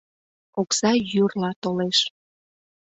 Окса йӱрла толеш.